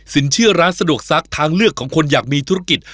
เชื่อร้านสะดวกซักทางเลือกของคนอยากมีธุรกิจ